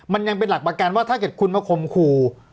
มันยังเป็นหลักประกันว่าถ้าเกิดคุณมาข่มขู่